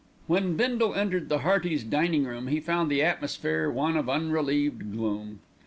When Bindle entered the Heartys' dining room he found the atmosphere one of unrelieved gloom.